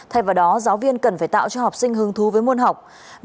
thay vào đó giáo viên cần phải tạo cho học sinh hứng thú với môn học